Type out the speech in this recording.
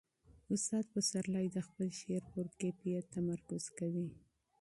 استاد پسرلی د خپل شعر پر کیفیت تمرکز کوي.